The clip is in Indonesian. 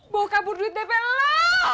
bawa kabur duit bp lo